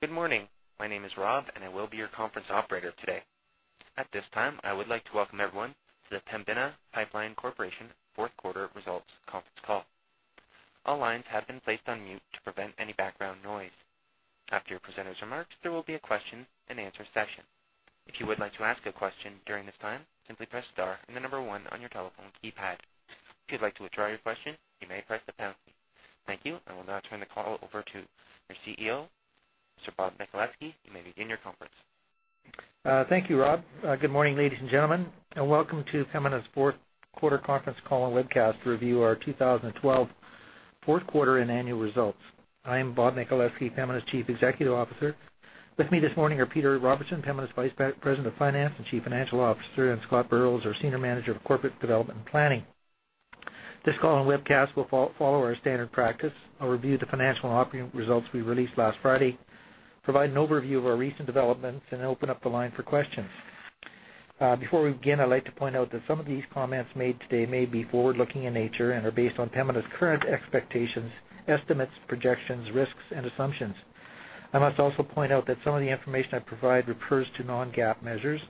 Good morning. My name is Rob, and I will be your conference operator today. At this time, I would like to welcome everyone to the Pembina Pipeline Corporation fourth quarter results conference call. All lines have been placed on mute to prevent any background noise. After your presenter's remarks, there will be a question and answer session. If you would like to ask a question during this time, simply press star and the number one on your telephone keypad. If you'd like to withdraw your question, you may press the pound key. Thank you. I will now turn the call over to your CEO, Mr. Bob Michaleski. You may begin your conference. Thank you, Rob. Good morning, ladies and gentlemen, and welcome to Pembina's fourth quarter conference call and webcast to review our 2012 fourth quarter and annual results. I am Bob Michaleski, Pembina's Chief Executive Officer. With me this morning are Peter Robertson, Pembina's Vice President of Finance and Chief Financial Officer, and Scott Burrows, our Senior Manager of Corporate Development and Planning. This call and webcast will follow our standard practice. I'll review the financial and operating results we released last Friday, provide an overview of our recent developments, and open up the line for questions. Before we begin, I'd like to point out that some of these comments made today may be forward-looking in nature and are based on Pembina's current expectations, estimates, projections, risks and assumptions. I must also point out that some of the information I provide refers to non-GAAP measures.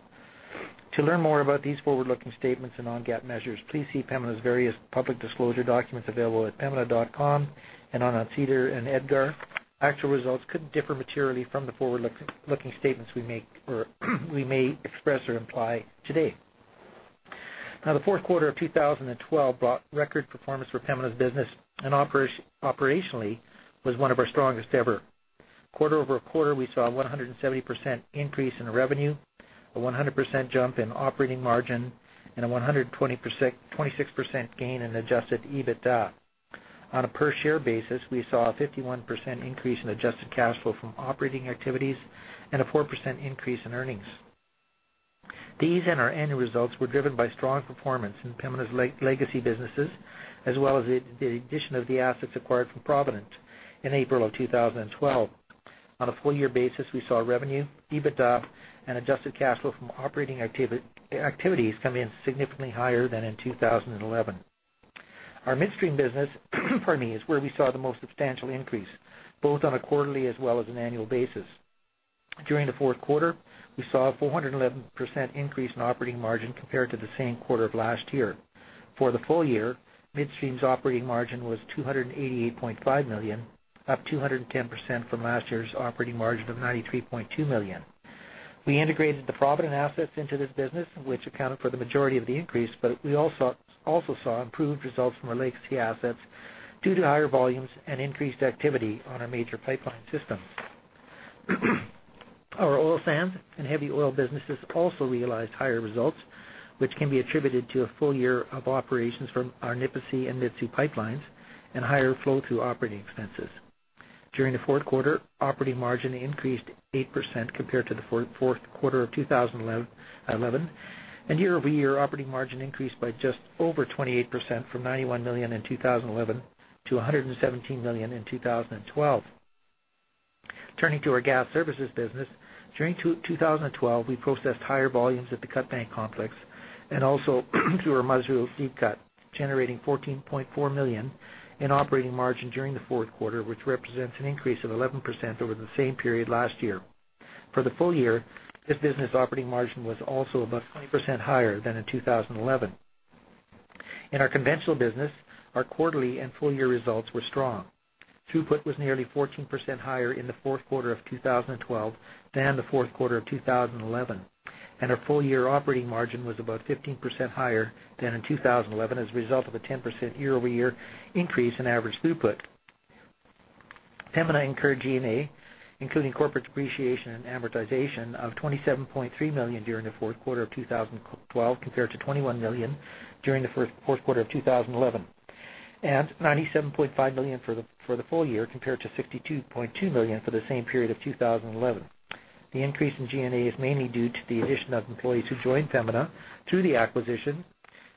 To learn more about these forward-looking statements and non-GAAP measures, please see Pembina's various public disclosure documents available at pembina.com and on SEDAR+ and EDGAR. Actual results could differ materially from the forward-looking statements we make or we may express or imply today. Now, the fourth quarter of 2012 brought record performance for Pembina's business and operationally was one of our strongest ever. Quarter-over-quarter, we saw a 170% increase in revenue, a 100% jump in operating margin, and a 126% gain in adjusted EBITDA. On a per-share basis, we saw a 51% increase in adjusted cash flow from operating activities and a 4% increase in earnings. These and our annual results were driven by strong performance in Pembina's legacy businesses, as well as the addition of the assets acquired from Provident in April of 2012. On a full year basis, we saw revenue, EBITDA, and adjusted cash flow from operating activities come in significantly higher than in 2011. Our Tidewater Midstream business is where we saw the most substantial increase, both on a quarterly as well as an annual basis. During the fourth quarter, we saw a 411% increase in operating margin compared to the same quarter of last year. For the full year, Tidewater Midstream's operating margin was 288.5 million, up 210% from last year's operating margin of 93.2 million. We integrated the Provident assets into this business, which accounted for the majority of the increase, but we also saw improved results from our legacy assets due to higher volumes and increased activity on our major pipeline systems. Our Oil Sands and Heavy Oil businesses also realized higher results, which can be attributed to a full year of operations from our Nipisi and Mitsue pipelines and higher flow through operating expenses. During the fourth quarter, operating margin increased 8% compared to the fourth quarter of 2011, and year-over-year operating margin increased by just over 28% from 91 million in 2011 to 117 million in 2012. Turning to our Gas Services Business Unit, during 2012, we processed higher volumes at the Cutbank Complex and also through our Musreau deep cut, generating 14.4 million in operating margin during the fourth quarter, which represents an increase of 11% over the same period last year. For the full year, this business operating margin was also about 20% higher than in 2011. In our Conventional Pipeline business, our quarterly and full-year results were strong. Throughput was nearly 14% higher in the fourth quarter of 2012 than the fourth quarter of 2011, and our full-year operating margin was about 15% higher than in 2011 as a result of a 10% year-over-year increase in average throughput. Pembina incurred G&A, including corporate depreciation and amortization of 27.3 million during the fourth quarter of 2012, compared to 21 million during the fourth quarter of 2011, and 97.5 million for the full year, compared to 62.2 million for the same period of 2011. The increase in G&A is mainly due to the addition of employees who joined Pembina through the acquisition,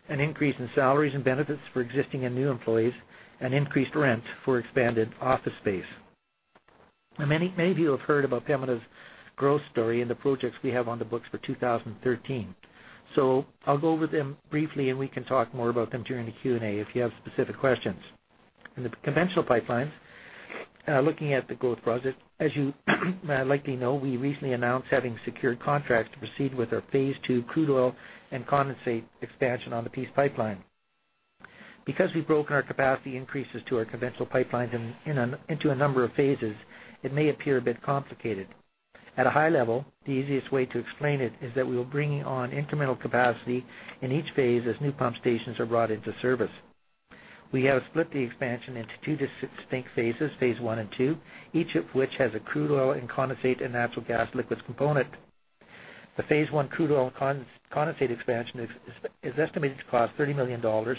an increase in salaries and benefits for existing and new employees, and increased rent for expanded office space. Many of you have heard about Pembina's growth story and the projects we have on the books for 2013. I'll go over them briefly, and we can talk more about them during the Q&A if you have specific questions. In the Conventional Pipelines, looking at the growth projects, as you likely know, we recently announced having secured contracts to proceed with our phase II crude oil and condensate expansion on the Peace Pipeline. Because we've broken our capacity increases to our Conventional Pipelines into a number of phases, it may appear a bit complicated. At a high level, the easiest way to explain it is that we are bringing on incremental capacity in each phase as new pump stations are brought into service. We have split the expansion into two distinct phases, phase I and II, each of which has a crude oil and condensate and natural gas liquids component. The phase I crude oil condensate expansion is estimated to cost 30 million dollars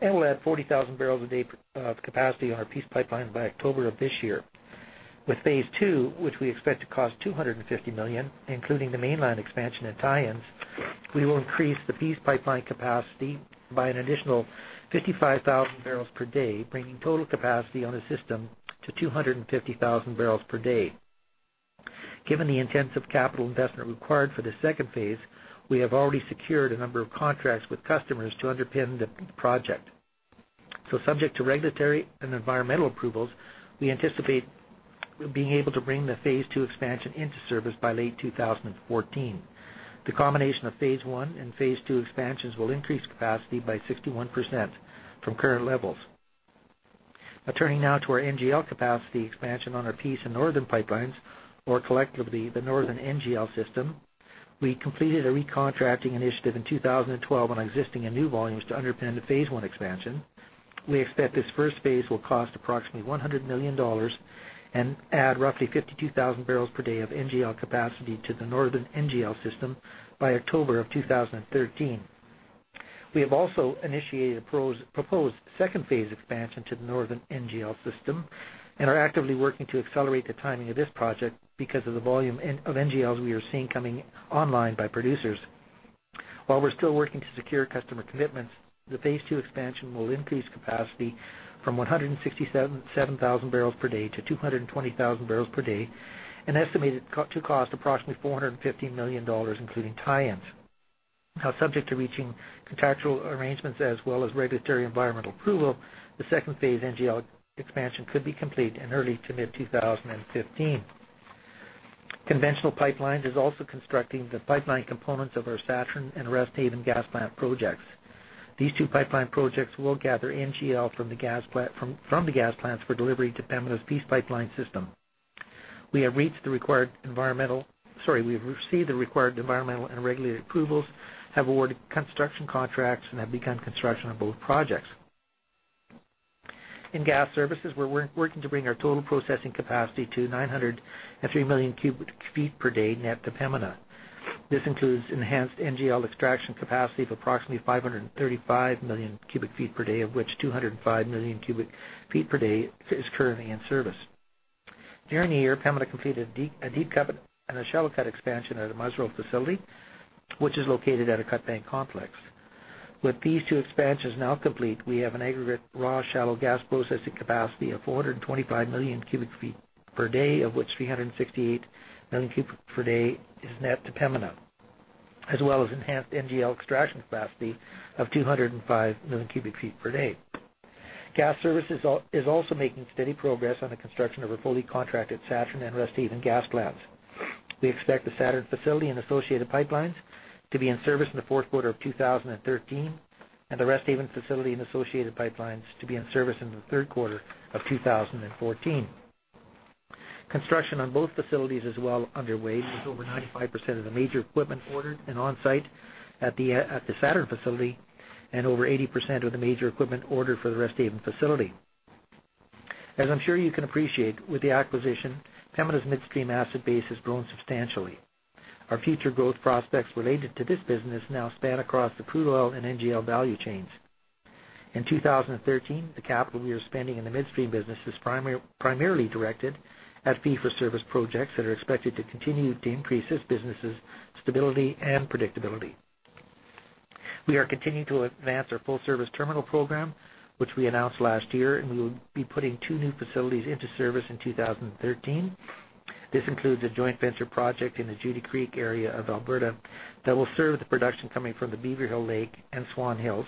and will add 40,000 barrels a day of capacity on our Peace Pipeline by October of this year. With phase II, which we expect to cost 250 million, including the mainline expansion and tie-ins, we will increase the Peace Pipeline capacity by an additional 55,000 barrels per day, bringing total capacity on the system to 250,000 barrels per day. Given the intensive capital investment required for the second phase, we have already secured a number of contracts with customers to underpin the project. Subject to regulatory and environmental approvals, we anticipate being able to bring the phase II expansion into service by late 2014. The combination of phase I and phase II expansions will increase capacity by 61% from current levels. Now turning to our NGL capacity expansion on our Peace and Northern pipelines, or collectively, the Northern NGL system. We completed a recontracting initiative in 2012 on existing and new volumes to underpin the phase one expansion. We expect this first phase will cost approximately 100 million dollars and add roughly 52,000 barrels per day of NGL capacity to the Northern NGL system by October of 2013. We have also initiated a proposed second-phase expansion to the Northern NGL system and are actively working to accelerate the timing of this project because of the volume of NGLs we are seeing coming online by producers. While we're still working to secure customer commitments, the phase two expansion will increase capacity from 167,000 barrels per day to 220,000 barrels per day and estimated to cost approximately 450 million dollars, including tie-ins. Now, subject to reaching contractual arrangements as well as regulatory environmental approval, the second phase NGL expansion could be complete in early to mid 2015. Conventional Pipelines is also constructing the pipeline components of our Saturn and Resthaven gas plant projects. These two pipeline projects will gather NGL from the gas plants for delivery to Pembina's Peace Pipeline system. We have received the required environmental and regulatory approvals, have awarded construction contracts, and have begun construction on both projects. In gas services, we're working to bring our total processing capacity to 903 million cubic feet per day net to Pembina. This includes enhanced NGL extraction capacity of approximately 535 million cubic feet per day, of which 205 million cubic feet per day is currently in service. During the year, Pembina completed a deep cut and a shallow cut expansion at a Musreau facility, which is located at a Cutbank Complex. With these two expansions now complete, we have an aggregate raw shallow gas processing capacity of 425 million cubic feet per day, of which 368 million cubic feet per day is net to Pembina, as well as enhanced NGL extraction capacity of 205 million cubic feet per day. Gas services is also making steady progress on the construction of a fully contracted Saturn and Resthaven gas plants. We expect the Saturn facility and associated pipelines to be in service in the fourth quarter of 2013, and the Resthaven facility and associated pipelines to be in service in the third quarter of 2014. Construction on both facilities is well underway, with over 95% of the major equipment ordered and on-site at the Saturn facility and over 80% of the major equipment ordered for the Resthaven facility. As I'm sure you can appreciate, with the acquisition, Pembina's midstream asset base has grown substantially. Our future growth prospects related to this business now span across the crude oil and NGL value chains. In 2013, the capital we are spending in the midstream business is primarily directed at fee-for-service projects that are expected to continue to increase this business's stability and predictability. We are continuing to advance our full-service terminal program, which we announced last year, and we will be putting two new facilities into service in 2013. This includes a joint venture project in the Judy Creek area of Alberta that will serve the production coming from the Beaverhill Lake and Swan Hills,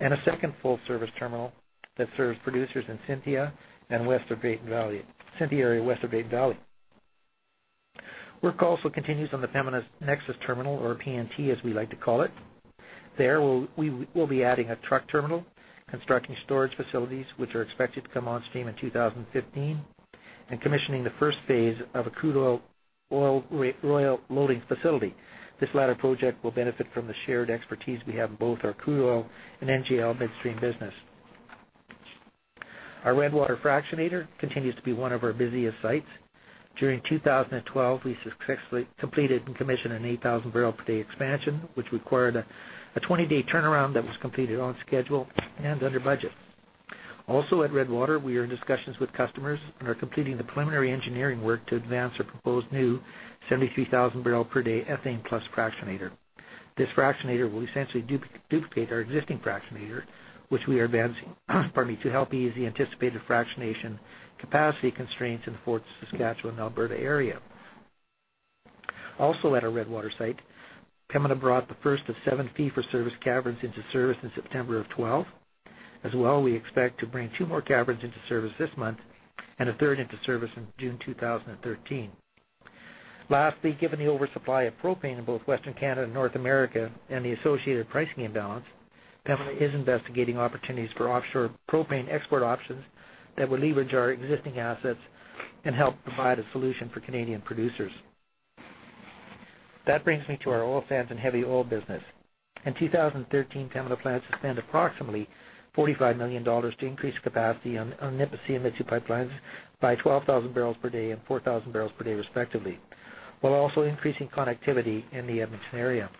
and a second full service terminal that serves producers in Cynthia and West of Drayton Valley. Work also continues on the Pembina Nexus Terminal or PNT, as we like to call it. There, we will be adding a truck terminal, constructing storage facilities, which are expected to come on stream in 2015, and commissioning the first phase of a crude oil loading facility. This latter project will benefit from the shared expertise we have in both our crude oil and NGL midstream business. Our Redwater fractionator continues to be one of our busiest sites. During 2012, we successfully completed and commissioned an 8,000 barrel per day expansion, which required a 20-day turnaround that was completed on schedule and under budget. At Redwater, we are in discussions with customers and are completing the preliminary engineering work to advance our proposed new 73,000 barrel per day ethane plus fractionator. This fractionator will essentially duplicate our existing fractionator, which we are advancing to help ease the anticipated fractionation capacity constraints in the Fort Saskatchewan, Alberta area. At our Redwater site, Pembina brought the first of seven fee-for-service caverns into service in September 2012. As well, we expect to bring two more caverns into service this month and a third into service in June 2013. Lastly, given the oversupply of propane in both Western Canada and North America and the associated pricing imbalance, Pembina is investigating opportunities for offshore propane export options that will leverage our existing assets and help provide a solution for Canadian producers. That brings me to our oil sands and heavy oil business. In 2013, Pembina plans to spend approximately 45 million dollars to increase capacity on Nipisi and Mitsue pipelines by 12,000 barrels per day and 4,000 barrels per day respectively, while also increasing connectivity in the Edmonton area.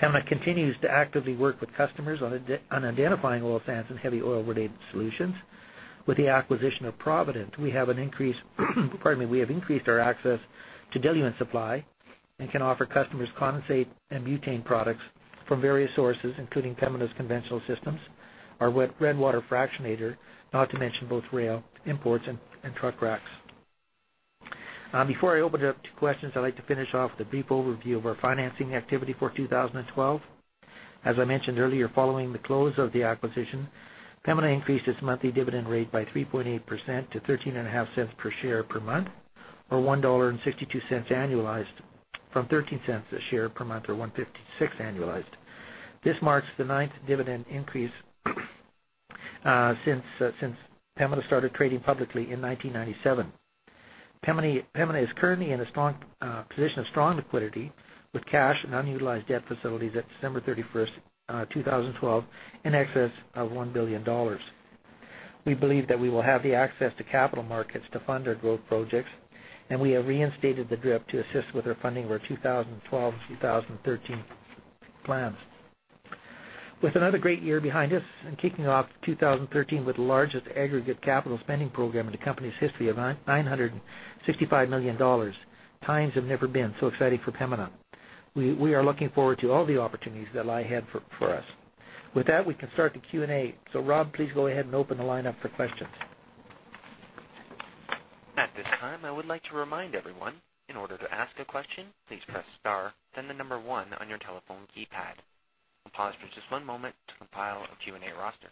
Pembina continues to actively work with customers on identifying Oil Sands and Heavy Oil-related solutions. With the acquisition of Provident, we have increased our access to diluent supply and can offer customers condensate and butane products from various sources, including Pembina's conventional systems, our Redwater fractionator, not to mention both rail imports and truck racks. Before I open it up to questions, I'd like to finish off with a brief overview of our financing activity for 2012. As I mentioned earlier, following the close of the acquisition, Pembina increased its monthly dividend rate by 3.8% to 0.135 per share per month, or 1.62 dollar annualized, from 0.13 a share per month or 1.56 annualized. This marks the ninth dividend increase since Pembina started trading publicly in 1997. Pembina is currently in a position of strong liquidity with cash and unutilized debt facilities at December 31st, 2012, in excess of 1 billion dollars. We believe that we will have the access to capital markets to fund our growth projects, and we have reinstated the DRIP to assist with our funding for our 2012, 2013 plans. With another great year behind us and kicking off 2013 with the largest aggregate capital spending program in the company's history of 965 million dollars, times have never been so exciting for Pembina. We are looking forward to all the opportunities that lie ahead for us. With that, we can start the Q&A. Rob, please go ahead and open the line up for questions. At this time, I would like to remind everyone, in order to ask a question, please press star, then the number one on your telephone keypad. We'll pause for just one moment to compile a Q&A roster.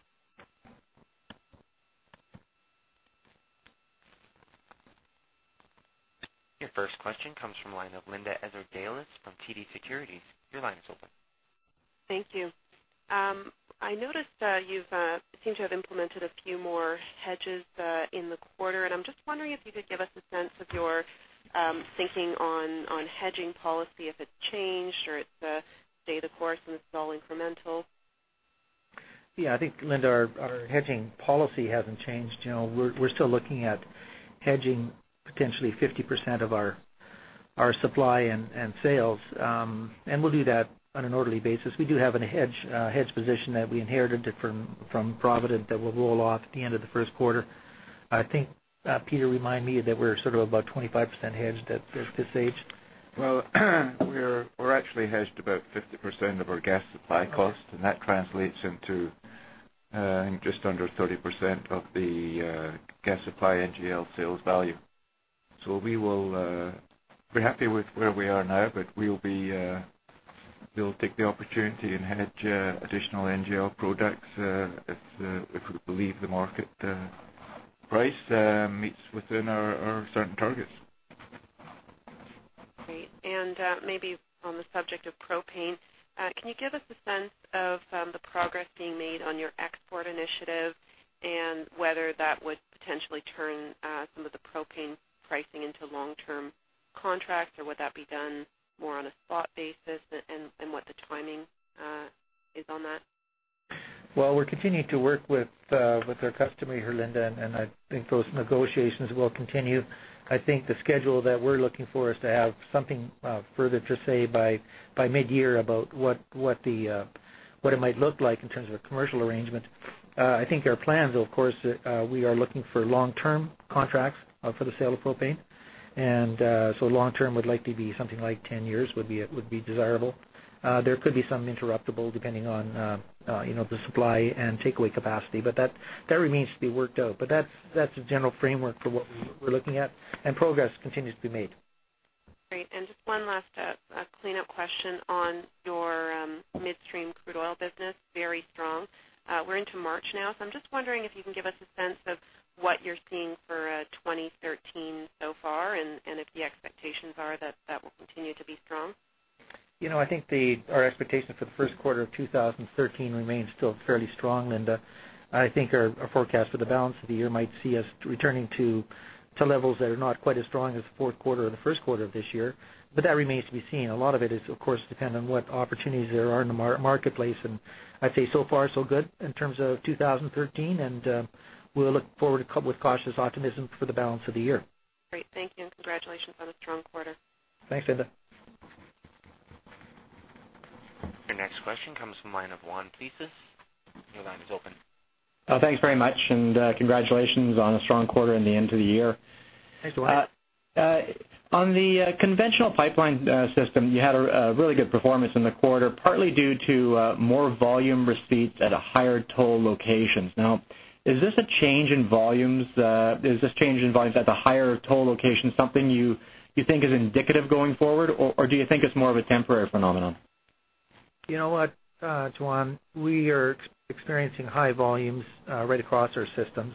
Your first question comes from the line of Linda Ezergailis from TD Securities. Your line is open. Thank you. I noticed you seem to have implemented a few more hedges in the quarter, and I'm just wondering if you could give us a sense of your thinking on hedging policy, if it's changed or it's stay the course and this is all incremental? Yeah. I think, Linda, our hedging policy hasn't changed. We're still looking at hedging potentially 50% of our supply and sales. We'll do that on an orderly basis. We do have a hedge position that we inherited from Provident that will roll off at the end of the first quarter. I think, Peter, remind me that we're sort of about 25% hedged at this stage. Well, we're actually hedged about 50% of our gas supply cost, and that translates into just under 30% of the gas supply NGL sales value. We're happy with where we are now, but we'll take the opportunity and hedge additional NGL products, if we believe the market price meets within our certain targets. Great. Maybe on the subject of propane, can you give us a sense of the progress being made on your export initiative and whether that would potentially turn some of the propane pricing into long-term contracts? Would that be done more on a spot basis? What the timing is on that. We're continuing to work with our customer here, Linda, and I think those negotiations will continue. I think the schedule that we're looking for is to have something further to say by mid-year about what it might look like in terms of a commercial arrangement. I think our plans, of course, we are looking for long-term contracts for the sale of propane. Long-term would likely be something like 10 years, would be desirable. There could be some interruptible depending on the supply and takeaway capacity, but that remains to be worked out. That's the general framework for what we're looking at, and progress continues to be made. Great. Just one last cleanup question on your Midstream crude oil business, very strong. We're into March now, so I'm just wondering if you can give us a sense of what you're seeing for 2013 so far and if the expectations are that that will continue to be strong. I think our expectations for the first quarter of 2013 remain still fairly strong, Linda. I think our forecast for the balance of the year might see us returning to levels that are not quite as strong as the fourth quarter or the first quarter of this year, but that remains to be seen. A lot of it is, of course, dependent on what opportunities there are in the marketplace. I'd say so far, so good in terms of 2013, and we'll look forward with cautious optimism for the balance of the year. Great. Thank you, and congratulations on a strong quarter. Thanks, Linda. Your next question comes from the line of Juan Tellez. Your line is open. Thanks very much, and congratulations on a strong quarter in the end of the year. Thanks, Juan. On the conventional pipeline system, you had a really good performance in the quarter, partly due to more volume receipts at higher toll locations. Now, is this a change in volumes at the higher toll location something you think is indicative going forward, or do you think it's more of a temporary phenomenon? You know what, Juan, we are experiencing high volumes right across our systems.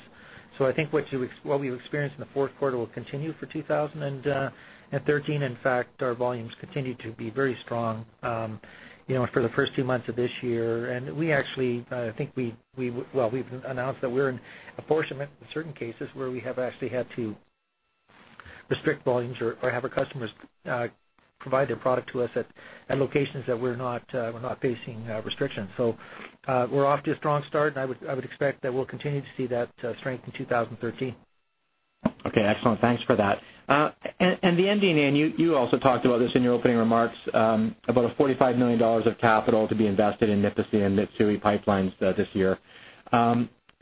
I think what we've experienced in the fourth quarter will continue for 2013. In fact, our volumes continued to be very strong for the first two months of this year. We actually, I think we've announced that we're in a position in certain cases where we have actually had to restrict volumes or have our customers provide their product to us at locations that we're not facing restrictions. We're off to a strong start, and I would expect that we'll continue to see that strength in 2013. Okay, excellent. Thanks for that. The ending, and you also talked about this in your opening remarks, about 45 million dollars of capital to be invested in Nipisi and Mitsue pipelines this year.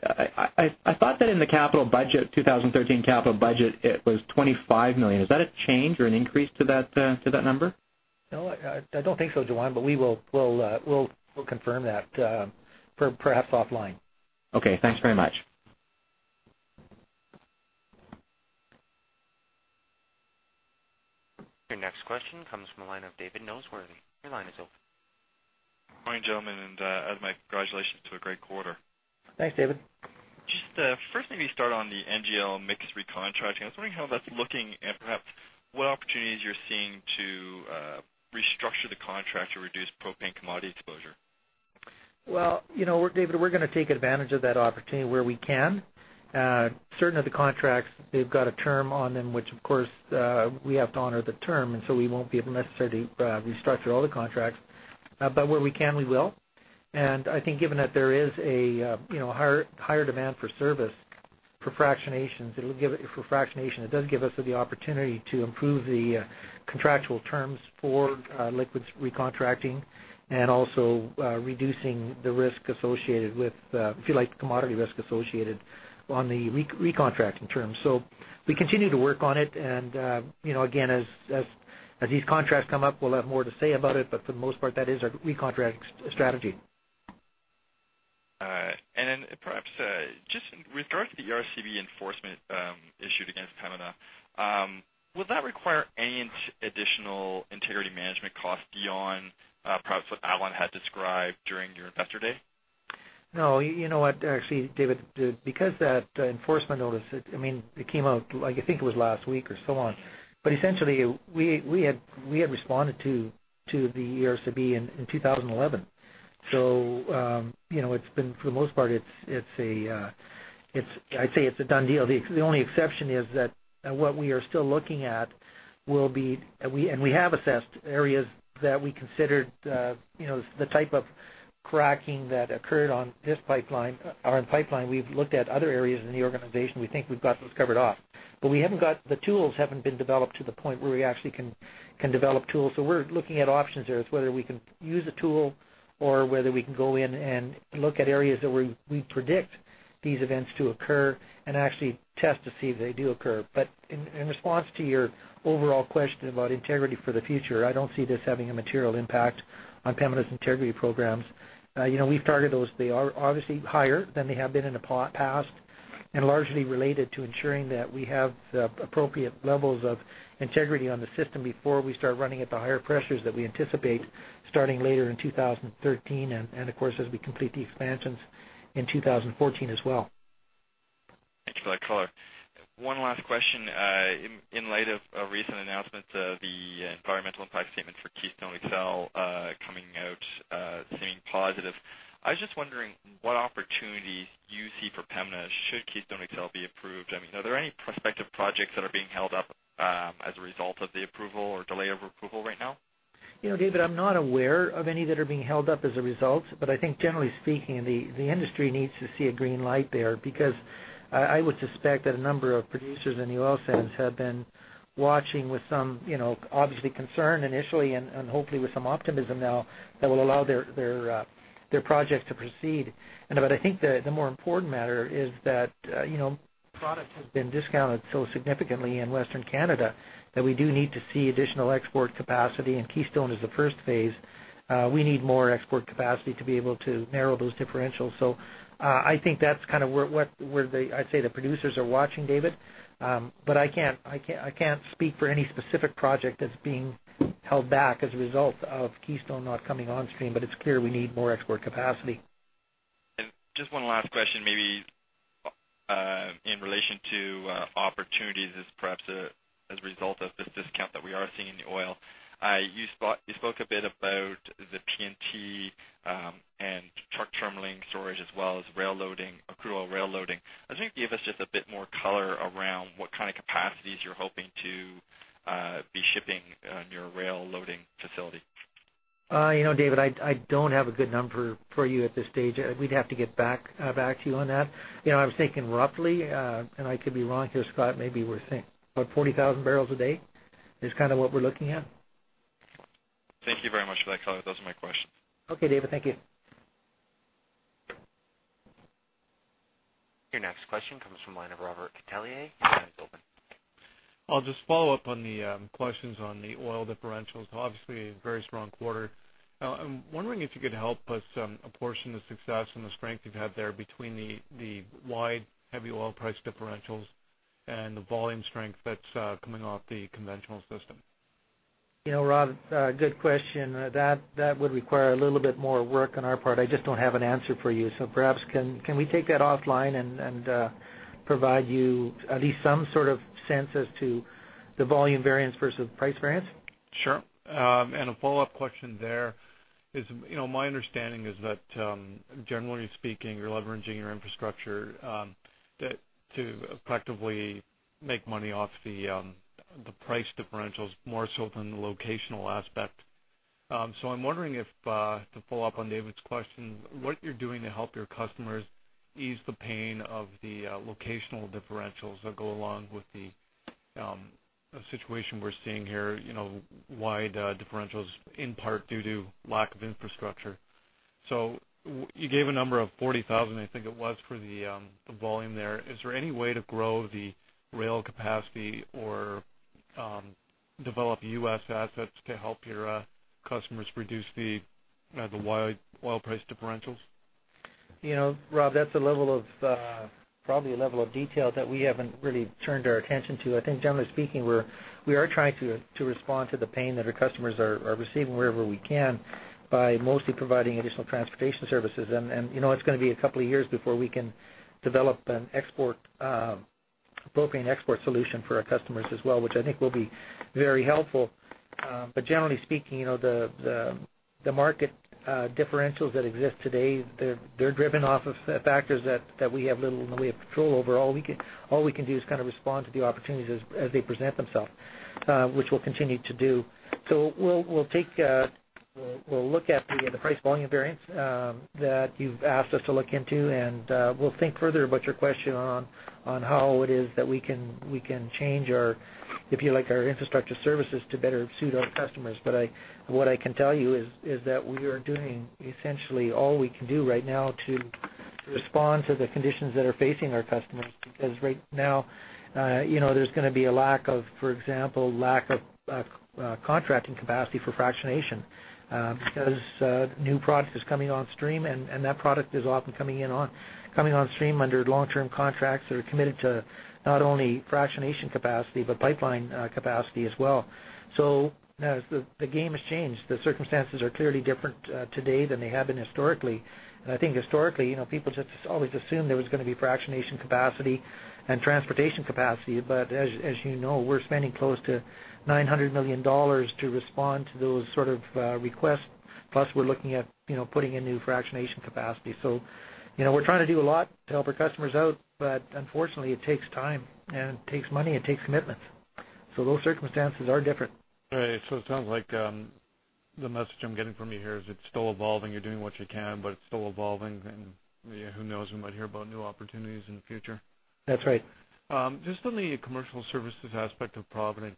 I thought that in the 2013 capital budget, it was CAD 25 million. Is that a change or an increase to that number? No, I don't think so, Juan, but we'll confirm that perhaps offline. Okay, thanks very much. Your next question comes from the line of David Noseworthy. Your line is open. Good morning, gentlemen, and my congratulations to a great quarter. Thanks, David. Just, firstly, maybe start on the NGL mix recontracting. I was wondering how that's looking and perhaps what opportunities you're seeing to restructure the contract to reduce propane commodity exposure. Well, David, we're going to take advantage of that opportunity where we can. Certain of the contracts, they've got a term on them, which of course, we have to honor the term, and so we won't be able necessarily to restructure all the contracts. Where we can, we will. I think given that there is a higher demand for service for fractionation, it does give us the opportunity to improve the contractual terms for liquids recontracting and also reducing the risk associated with, if you like, the commodity risk associated on the recontracting terms. We continue to work on it and, again, as these contracts come up, we'll have more to say about it, but for the most part, that is our recontract strategy. All right. Perhaps, just with regards to the ERCB enforcement issued against Pembina. Would that require any additional integrity management cost beyond perhaps what Alan had described during your Investor Day? No. You know what, actually, David, because that enforcement notice, it came out, I think it was last week or so on. Essentially, we had responded to the ERCB in 2011. For the most part, I'd say it's a done deal. The only exception is that what we are still looking at will be. We have assessed areas that we considered the type of cracking that occurred on this pipeline, our own pipeline. We've looked at other areas in the organization. We think we've got those covered off. The tools haven't been developed to the point where we actually can develop tools. We're looking at options there. It's whether we can use a tool or whether we can go in and look at areas that we predict these events to occur and actually test to see if they do occur. In response to your overall question about integrity for the future, I don't see this having a material impact on Pembina's integrity programs. We've targeted those. They are obviously higher than they have been in the past and largely related to ensuring that we have the appropriate levels of integrity on the system before we start running at the higher pressures that we anticipate starting later in 2013 and, of course, as we complete the expansions in 2014 as well. Thanks for that color. One last question. In light of a recent announcement, the environmental impact statement for Keystone XL coming out, seeming positive. I was just wondering what opportunities you see for Pembina should Keystone XL be approved. Are there any prospective projects that are being held up as a result of the approval or delay of approval right now? David, I'm not aware of any that are being held up as a result, but I think generally speaking, the industry needs to see a green light there, because I would suspect that a number of producers in the oil sands have been watching with some obvious concern initially and hopefully with some optimism now that will allow their projects to proceed. I think the more important matter is that products have been discounted so significantly in Western Canada that we do need to see additional export capacity, and Keystone is the first phase. We need more export capacity to be able to narrow those differentials. I think that's where I'd say the producers are watching, David. I can't speak for any specific project that's being held back as a result of Keystone XL not coming on stream. It's clear we need more export capacity. Just one last question maybe in relation to opportunities as perhaps a result of this discount that we are seeing in the oil. You spoke a bit about the PNT and truck terminaling storage as well as crude oil rail loading. I was wondering if you could give us just a bit more color around what kind of capacities you're hoping to be shipping on your rail loading facility. David, I don't have a good number for you at this stage. We'd have to get back to you on that. I was thinking roughly, and I could be wrong here. Scott, maybe we're about 40,000 barrels a day is what we're looking at. Thank you very much for that color. Those are my questions. Okay. David, thank you. Your next question comes from the line of Robert Catellier. Your line is open. I'll just follow up on the questions on the oil differentials. Obviously, a very strong quarter. I'm wondering if you could help us apportion the success and the strength you've had there between the wide, heavy oil price differentials and the volume strength that's coming off the conventional system. Rob, good question. That would require a little bit more work on our part. I just don't have an answer for you. Perhaps can we take that offline and provide you at least some sort of sense as to the volume variance versus price variance? Sure. A follow-up question there is, my understanding is that, generally speaking, you're leveraging your infrastructure to effectively make money off the price differentials more so than the locational aspect. I'm wondering if, to follow up on David's question, what you're doing to help your customers ease the pain of the locational differentials that go along with the situation we're seeing here, wide differentials in part due to lack of infrastructure? You gave a number of 40,000, I think it was, for the volume there. Is there any way to grow the rail capacity or develop U.S. assets to help your customers reduce the wide oil price differentials? Rob, that's probably a level of detail that we haven't really turned our attention to. I think generally speaking, we are trying to respond to the pain that our customers are receiving wherever we can by mostly providing additional transportation services. It's going to be a couple of years before we can develop an appropriate export solution for our customers as well, which I think will be very helpful. Generally speaking, the market differentials that exist today, they're driven off of factors that we have little in the way of control over. All we can do is respond to the opportunities as they present themselves, which we'll continue to do. We'll look at the price volume variance that you've asked us to look into, and we'll think further about your question on how it is that we can change our, if you like, our infrastructure services to better suit our customers. What I can tell you is that we are doing essentially all we can do right now to respond to the conditions that are facing our customers. Because right now there's going to be, for example, lack of contracting capacity for fractionation because new product is coming on stream, and that product is often coming on stream under long-term contracts that are committed to not only fractionation capacity but pipeline capacity as well. The game has changed. The circumstances are clearly different today than they have been historically. I think historically, people just always assumed there was going to be fractionation capacity and transportation capacity. As you know, we're spending close to 900 million dollars to respond to those sort of requests. Plus, we're looking at putting in new fractionation capacity. We're trying to do a lot to help our customers out, but unfortunately, it takes time, and it takes money, it takes commitments. Those circumstances are different. All right. It sounds like the message I'm getting from you here is it's still evolving. You're doing what you can, but it's still evolving, and who knows, we might hear about new opportunities in the future. That's right. Just on the commercial services aspect of Provident,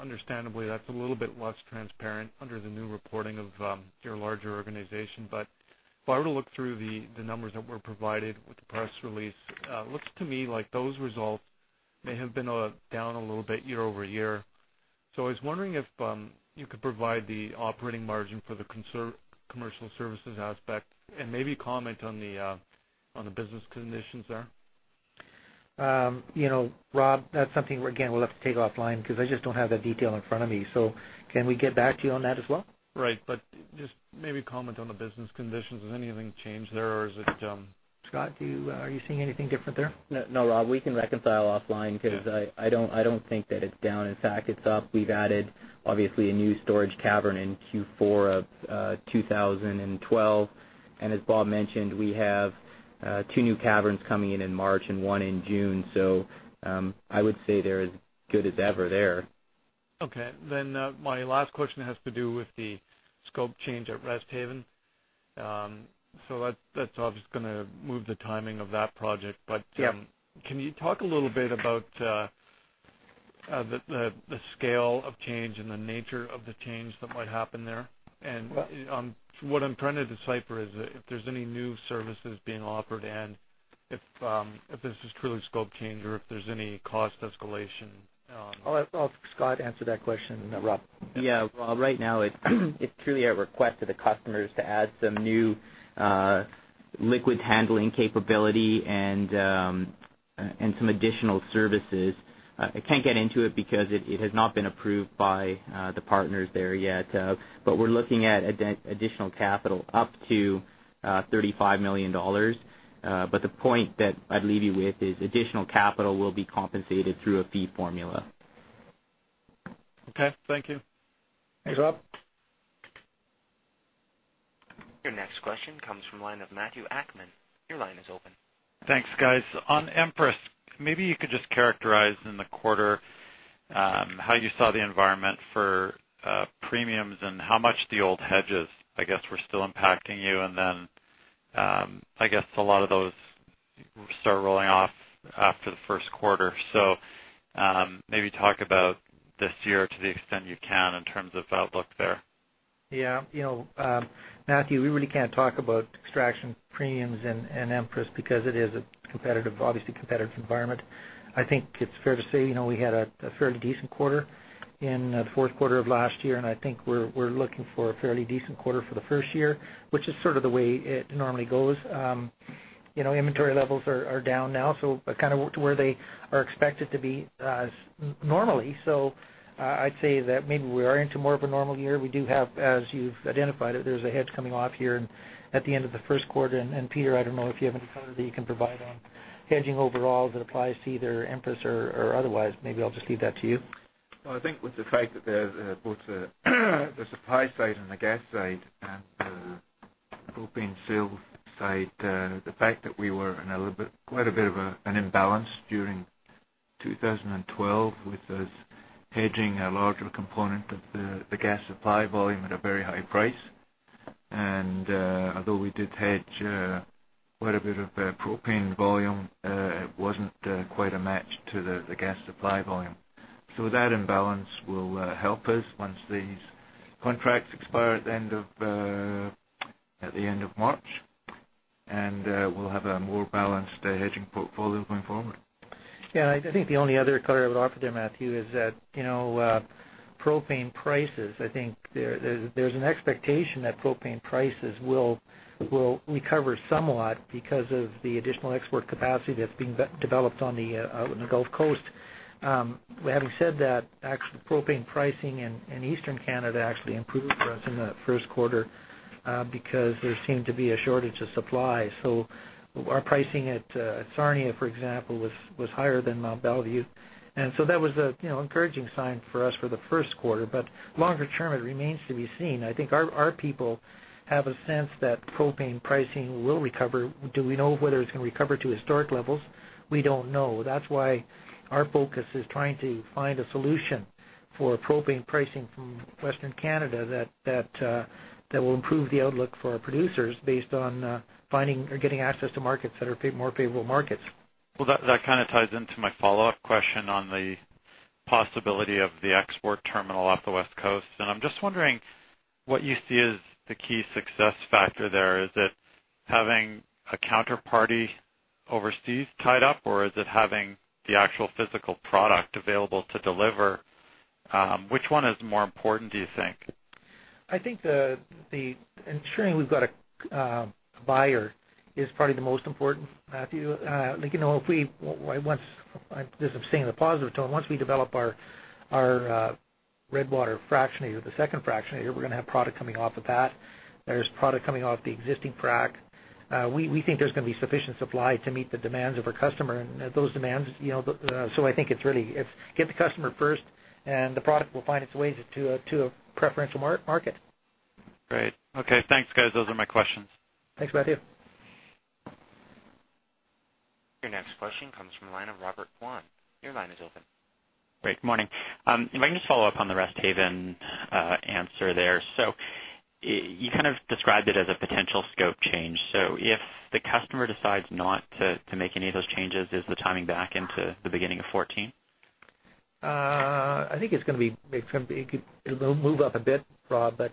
understandably, that's a little bit less transparent under the new reporting of your larger organization. If I were to look through the numbers that were provided with the press release, it looks to me like those results may have been down a little bit year-over-year. I was wondering if you could provide the operating margin for the commercial services aspect and maybe comment on the business conditions there. Rob, that's something where, again, we'll have to take offline because I just don't have that detail in front of me. Can we get back to you on that as well? Right. Just maybe comment on the business conditions. Has anything changed there or is it. Scott, are you seeing anything different there? No, Rob, we can reconcile offline because I don't think that it's down. In fact, it's up. We've added, obviously, a new storage cavern in Q4 of 2012. And as Bob mentioned, we have two new caverns coming in in March and one in June. I would say they're as good as ever there. My last question has to do with the scope change at Resthaven. That's obviously going to move the timing of that project, but. Yep Can you talk a little bit about the scale of change and the nature of the change that might happen there? What I'm trying to decipher is if there's any new services being offered and if this is truly scope change or if there's any cost escalation on? I'll have Scott answer that question, Rob. Yeah. Well, right now, it's truly at the request of the customers to add some new liquids handling capability and some additional services. I can't get into it because it has not been approved by the partners there yet. We're looking at additional capital up to 35 million dollars. The point that I'd leave you with is additional capital will be compensated through a fee formula. Okay. Thank you. Thanks, Rob. Your next question comes from the line of Matthew Akman. Your line is open. Thanks, guys. On Empress, maybe you could just characterize in the quarter how you saw the environment for premiums and how much the old hedges, I guess, were still impacting you. I guess a lot of those start rolling off after the first quarter. Maybe talk about this year to the extent you can in terms of outlook there. Yeah. Matthew, we really can't talk about extraction premiums and Empress because it is obviously a competitive environment. I think it's fair to say we had a fairly decent quarter in the fourth quarter of last year, and I think we're looking for a fairly decent quarter for the first quarter, which is sort of the way it normally goes. Inventory levels are down now, so to where they are expected to be normally. I'd say that maybe we are into more of a normal year. We do have, as you've identified, there's a hedge coming off here at the end of the first quarter. Peter, I don't know if you have any color that you can provide on hedging overall that applies to either Empress or otherwise. Maybe I'll just leave that to you. Well, I think with the fact that both the supply side and the gas side and the propane sales side, the fact that we were in quite a bit of an imbalance during 2012 with us hedging a larger component of the gas supply volume at a very high price. Although we did hedge quite a bit of propane volume, it wasn't quite a match to the gas supply volume. That imbalance will help us once these contracts expire at the end of March, and we'll have a more balanced hedging portfolio going forward. Yeah, I think the only other color I would offer there, Matthew, is that propane prices. I think there's an expectation that propane prices will recover somewhat because of the additional export capacity that's being developed out in the Gulf Coast. Having said that, actual propane pricing in Eastern Canada actually improved for us in the first quarter because there seemed to be a shortage of supply. Our pricing at Sarnia, for example, was higher than Mont Belvieu. That was an encouraging sign for us for the first quarter. Longer term, it remains to be seen. I think our people have a sense that propane pricing will recover. Do we know whether it's going to recover to historic levels? We don't know. That's why our focus is trying to find a solution for propane pricing from Western Canada that will improve the outlook for our producers based on finding or getting access to markets that are more favorable markets. Well, that kind of ties into my follow-up question on the possibility of the export terminal off the West Coast. I'm just wondering what you see as the key success factor there. Is it having a counterparty overseas tied up, or is it having the actual physical product available to deliver? Which one is more important, do you think? I think ensuring we've got a buyer is probably the most important, Matthew. Just saying in a positive tone, once we develop our Redwater fractionator, the second fractionator, we're going to have product coming off of that. There's product coming off the existing frac. We think there's going to be sufficient supply to meet the demands of our customer and those demands. I think it's really, get the customer first and the product will find its ways to a preferential market. Great. Okay. Thanks, guys. Those are my questions. Thanks, Matthew. Your next question comes from the line of Robert Kwan. Your line is open. Great. Good morning. If I can just follow up on the Resthaven answer there. You kind of described it as a potential scope change. If the customer decides not to make any of those changes, is the timing back into the beginning of 2014? I think it'll move up a bit, Rob. I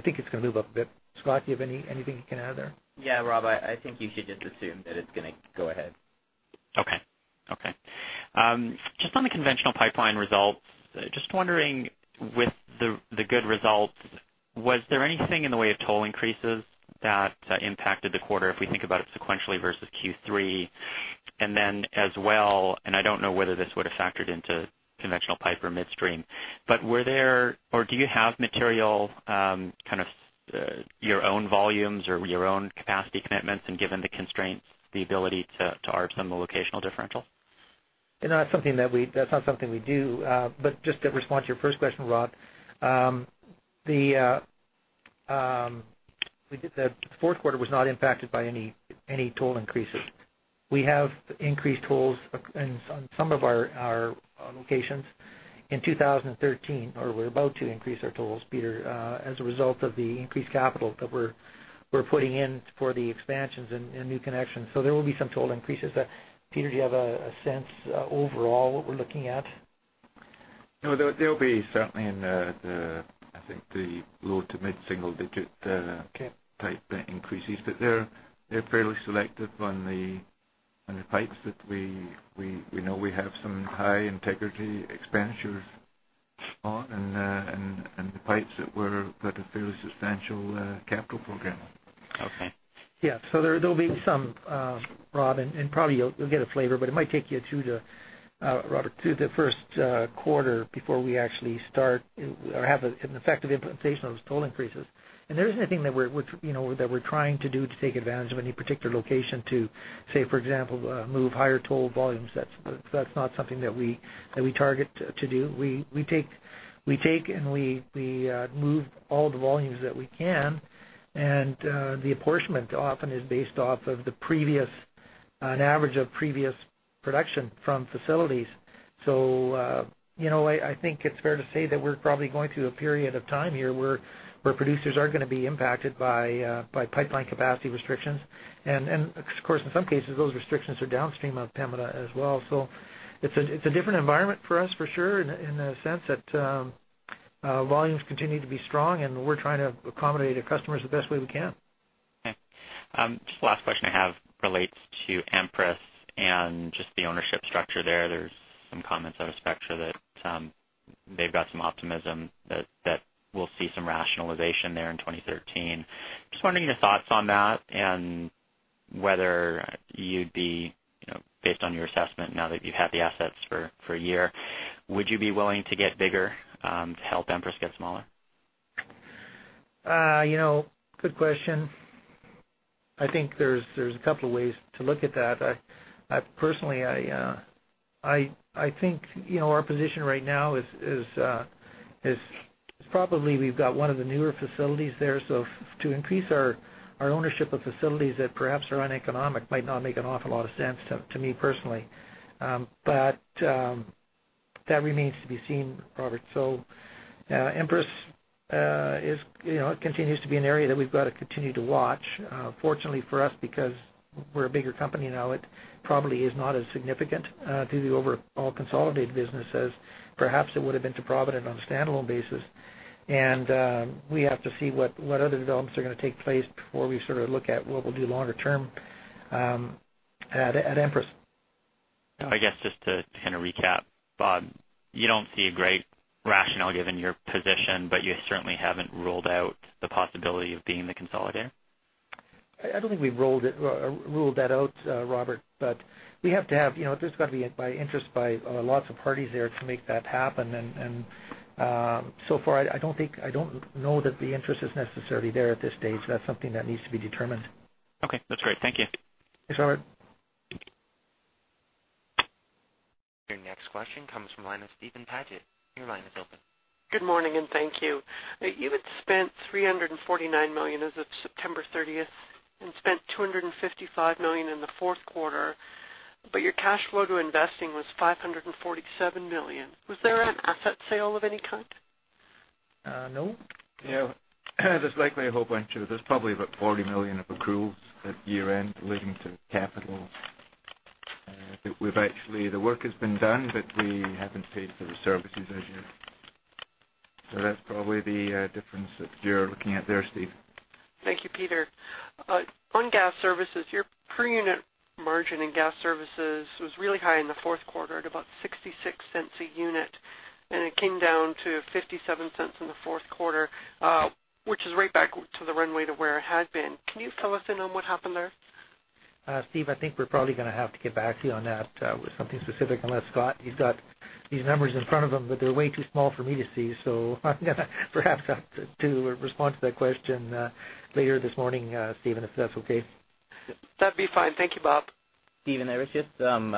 think it's going to move up a bit. Scott, do you have anything you can add there? Yeah, Rob, I think you should just assume that it's going to go ahead. Okay. Just on the conventional pipeline results, just wondering, with the good results, was there anything in the way of toll increases that impacted the quarter, if we think about it sequentially versus Q3? As well, I don't know whether this would have factored into Conventional Pipeline or Midstream, but were there or do you have material your own volumes or your own capacity commitments, and given the constraints, the ability to arb some of the locational differentials? That's not something we do. Just to respond to your first question, Rob, the fourth quarter was not impacted by any toll increases. We have increased tolls on some of our locations in 2013, or we're about to increase our tolls, Peter, as a result of the increased capital that we're putting in for the expansions and new connections. There will be some toll increases. Peter, do you have a sense overall what we're looking at? No, they'll be certainly in the, I think, the low to mid-single digit. Okay Type increases, but they're fairly selective on the pipes that we know we have some high integrity expenditures on and the pipes that have fairly substantial capital program. Okay. Yeah. There'll be some, Rob, and probably you'll get a flavor, but it might take you, Robert, to the first quarter before we actually start or have an effective implementation of those toll increases. There isn't anything that we're trying to do to take advantage of any particular location to, say, for example, move higher toll volumes. That's not something that we target to do. We take and we move all the volumes that we can, and the apportionment often is based off of an average of previous production from facilities. I think it's fair to say that we're probably going through a period of time here where producers are going to be impacted by pipeline capacity restrictions. Of course, in some cases, those restrictions are downstream of Pembina as well. It's a different environment for us, for sure, in the sense that volumes continue to be strong, and we're trying to accommodate our customers the best way we can. Okay. Just the last question I have relates to Empress and just the ownership structure there. There's some comments out of Spectra that they've got some optimism that we'll see some rationalization there in 2013. Just wondering your thoughts on that and whether you'd be, based on your assessment now that you've had the assets for a year, would you be willing to get bigger to help Empress get smaller? Good question. I think there's a couple of ways to look at that. Personally, I think our position right now is probably we've got one of the newer facilities there. To increase our ownership of facilities that perhaps are uneconomic might not make an awful lot of sense to me personally. That remains to be seen, Robert. Empress. It continues to be an area that we've got to continue to watch. Fortunately for us, because we're a bigger company now, it probably is not as significant to the overall consolidated business as perhaps it would've been to Provident on a standalone basis. We have to see what other developments are going to take place before we sort of look at what we'll do longer term at Empress. I guess just to kind of recap, Bob, you don't see a great rationale given your position, but you certainly haven't ruled out the possibility of being the consolidator? I don't think we've ruled that out, Robert, but there's got to be interest by lots of parties there to make that happen. So far, I don't know that the interest is necessarily there at this stage. That's something that needs to be determined. Okay. That's great. Thank you. Thanks, Robert. Thank you. Your next question comes from the line of Stephen Paget. Your line is open. Good morning, and thank you. You had spent 349 million as of September 30th and spent 255 million in the fourth quarter, but your cash flow to investing was 547 million. Was there an asset sale of any kind? No. There's probably about 40 million of accruals at year-end relating to capital that we've actually, the work has been done, but we haven't paid for the services as yet. That's probably the difference that you're looking at there, Stephen. Thank you, Peter. On gas services, your per unit margin in gas services was really high in the fourth quarter at about 0.66 a unit, and it came down to 0.57 in the fourth quarter, which is right back to the run rate to where it had been. Can you fill us in on what happened there? Stephen, I think we're probably going to have to get back to you on that with something specific, unless Scott, he's got these numbers in front of him, but they're way too small for me to see. I'm going to perhaps have to respond to that question later this morning, Stephen, if that's okay. That'd be fine. Thank you, Bob. Stephen, there was just some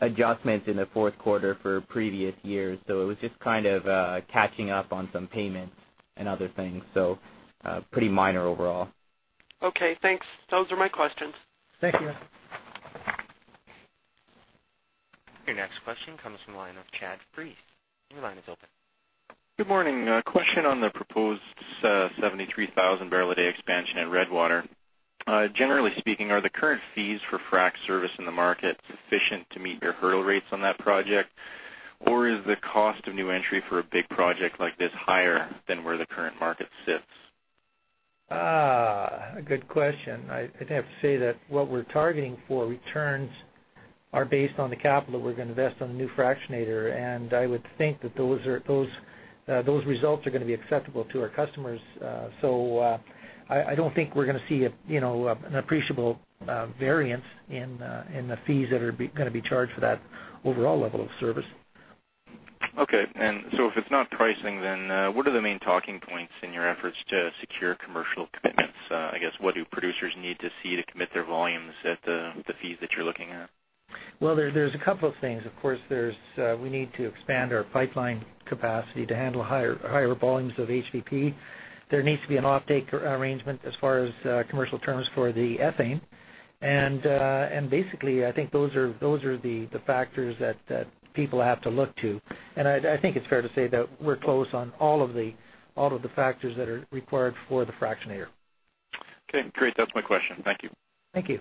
adjustments in the fourth quarter for previous years. It was just kind of catching up on some payments and other things. Pretty minor overall. Okay, thanks. Those are my questions. Thank you. Your next question comes from the line of Chad Preece. Your line is open. Good morning. A question on the proposed 73,000 barrel a day expansion at Redwater. Generally speaking, are the current fees for frac service in the market sufficient to meet your hurdle rates on that project? Or is the cost of new entry for a big project like this higher than where the current market sits? Good question. I'd have to say that what we're targeting for returns are based on the capital that we're going to invest on the new fractionator, and I would think that those results are going to be acceptable to our customers. I don't think we're going to see an appreciable variance in the fees that are going to be charged for that overall level of service. If it's not pricing, then what are the main talking points in your efforts to secure commercial commitments? I guess, what do producers need to see to commit their volumes at the fees that you're looking at? Well, there's a couple of things. Of course, we need to expand our pipeline capacity to handle higher volumes of HVP. There needs to be an offtake arrangement as far as commercial terms for the ethane. Basically, I think those are the factors that people have to look to. I think it's fair to say that we're close on all of the factors that are required for the fractionator. Okay, great. That's my question. Thank you. Thank you.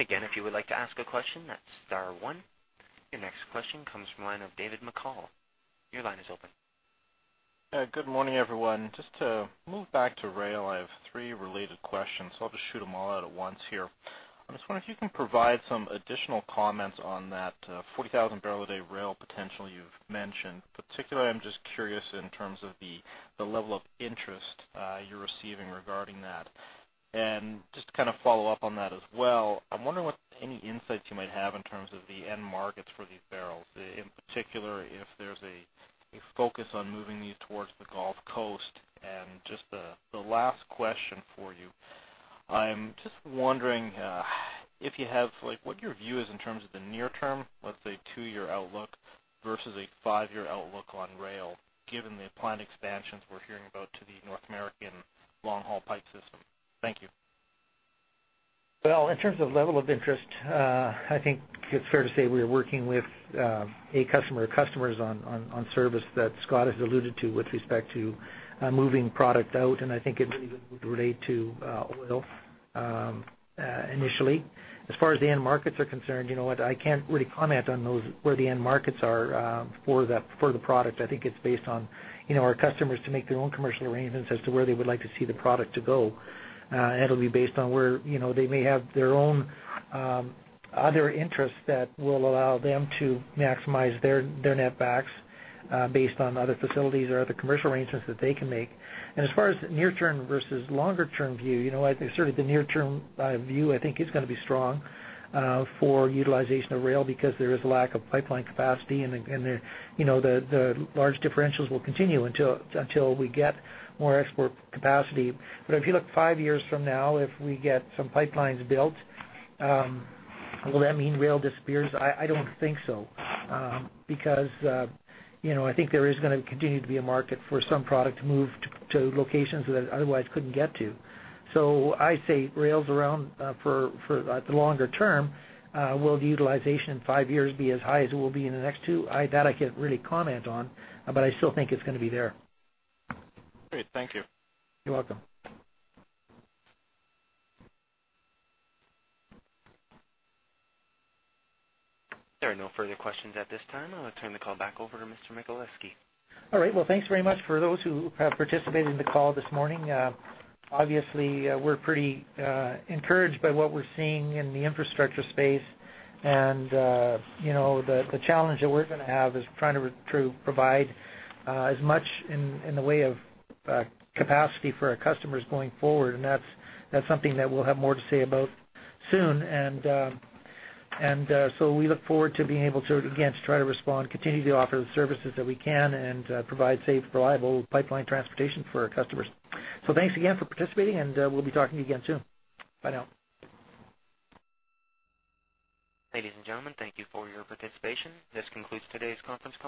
Again, if you would like to ask a question, that's star one. Your next question comes from the line of David McColl. Your line is open. Good morning, everyone. Just to move back to rail, I have three related questions, so I'll just shoot them all out at once here. I was wondering if you can provide some additional comments on that 40,000 barrel a day rail potential you've mentioned. Particularly, I'm just curious in terms of the level of interest you're receiving regarding that. Just to kind of follow up on that as well, I'm wondering what any insights you might have in terms of the end markets for these barrels, in particular, if there's a focus on moving these towards the Gulf Coast. Just the last question for you, I'm just wondering what your view is in terms of the near term, let's say two-year outlook versus a five-year outlook on rail, given the planned expansions we're hearing about to the North American long-haul pipe system. Thank you. Well, in terms of level of interest, I think it's fair to say we are working with a customer or customers on service that Scott has alluded to with respect to moving product out, and I think it would relate to oil initially. As far as the end markets are concerned, you know what, I can't really comment on those, where the end markets are for the product. I think it's based on our customers to make their own commercial arrangements as to where they would like to see the product to go. It'll be based on where they may have their own other interests that will allow them to maximize their netbacks based on other facilities or other commercial arrangements that they can make. As far as near term versus longer term view, certainly the near term view, I think, is going to be strong for utilization of rail because there is a lack of pipeline capacity, and the large differentials will continue until we get more export capacity. If you look five years from now, if we get some pipelines built, will that mean rail disappears? I don't think so because I think there is going to continue to be a market for some product to move to locations that otherwise couldn't get to. I say rail's around for the longer term. Will the utilization in five years be as high as it will be in the next two? That I can't really comment on, but I still think it's going to be there. Great. Thank you. You're welcome. There are no further questions at this time. I'll turn the call back over to Mr. Michaleski. All right. Well, thanks very much for those who have participated in the call this morning. Obviously, we're pretty encouraged by what we're seeing in the infrastructure space, and the challenge that we're going to have is trying to provide as much in the way of capacity for our customers going forward, and that's something that we'll have more to say about soon. We look forward to being able to, again, to try to respond, continue to offer the services that we can and provide safe, reliable pipeline transportation for our customers. Thanks again for participating, and we'll be talking to you again soon. Bye now. Ladies and gentlemen, thank you for your participation. This concludes today's conference call.